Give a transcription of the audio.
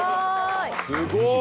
すごい！